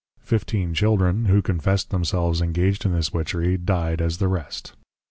Fifteen Children, which confessed themselves engaged in this Witchery, dyed as the rest.